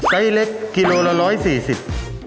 ไซส์เล็กกิโลละ๑๔๐บาท